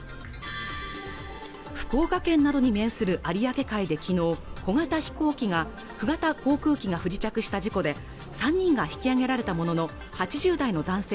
福岡県などに面する有明海できのう小型飛行機が不時着した事故で３人が引き上げられたものの８０代の男性